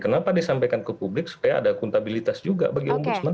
kenapa disampaikan ke publik supaya ada kontabilitas juga bagi om busman